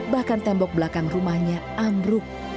bahkan tembok belakang rumahnya ambruk